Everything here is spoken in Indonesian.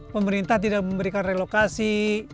pemerintah tidak memberikan relokasi